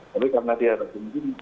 tapi karena dia ada kemungkinan